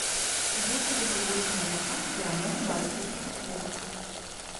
Гэта ўжо восьмая запар перамога барысаўскага клуба.